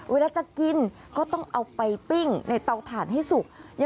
เวลาจะกินก็ต้องเอาไปปิ้งในเตาถ่านให้สุก